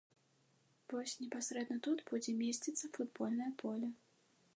Вось непасрэдна тут будзе месціцца футбольнае поле.